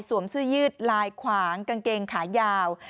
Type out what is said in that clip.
เสื้อยืดลายขวางกางเกงขายาว